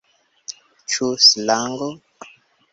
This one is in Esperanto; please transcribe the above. Ĉu slango?